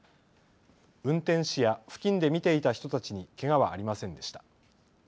運転士や付近で見ていた人たちにけがはありませんでした。